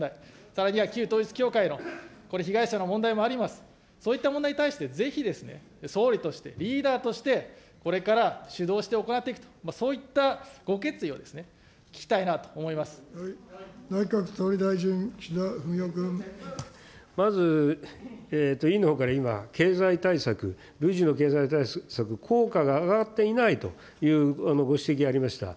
さらには旧統一教会のこれ、被害者の問題もあります、そういった問題に対して、ぜひですね、総理としてリーダーとして、これから主導して行っていくと、そういっ内閣総理大臣、岸田文雄君。まず委員のほうから今、経済対策、累次の経済対策、効果が上がっていないというご指摘がありました。